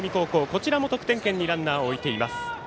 こちらも得点圏にランナーを置いています。